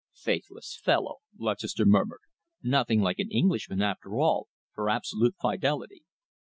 "Faithless fellow!" Lutchester murmured. "Nothing like an Englishman, after all, for absolute fidelity."